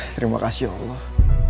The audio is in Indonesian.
terima kasih allah